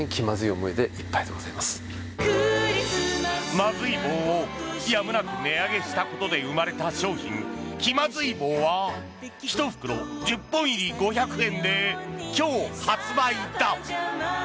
まずい棒をやむなく値上げしたことで生まれた商品、きまずい棒は１袋１０本入り５００円で今日、発売だ。